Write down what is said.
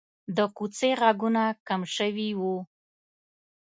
د کوڅې غږونه کم شوي وو.